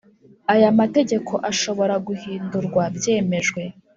Aya mategeko ashobora guhindurwa byemejwe